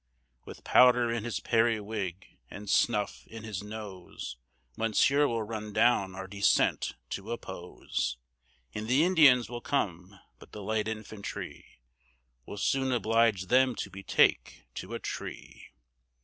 With powder in his periwig, and snuff in his nose, Monsieur will run down our descent to oppose; And the Indians will come: but the light infantry Will soon oblige them to betake to a tree.